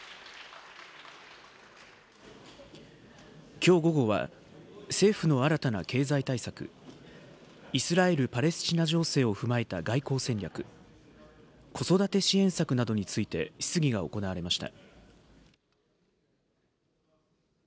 きょう午後は、政府の新たな経済対策、イスラエル・パレスチナ情勢を踏まえた外交戦略、子育て支援策などについて、質疑が行われました。